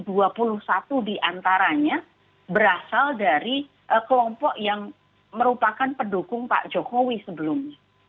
dua puluh satu di antaranya berasal dari kelompok yang merupakan pendukung pak jokowi sebelumnya